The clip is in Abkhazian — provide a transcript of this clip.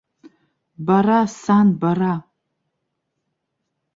Бара, сан, бара!